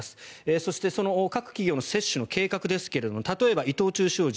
そして、その各企業の接種の計画ですが例えば、伊藤忠商事。